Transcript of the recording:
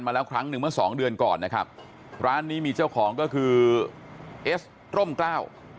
แล้วครั้งหนึ่งเมื่อสองเดือนก่อนนะครับร้านนี้มีเจ้าของก็คือเอสร่มกล้า